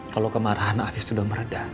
kalau kemarahan akses sudah meredah